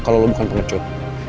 kalo lo bukan pengecut